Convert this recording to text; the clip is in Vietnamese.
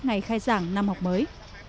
ngày khai giảng năm học mới